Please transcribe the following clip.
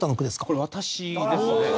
これ私ですね。